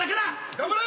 頑張れ！